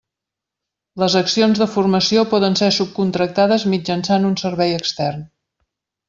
Les accions de formació poden ser subcontractades mitjançant un servei extern.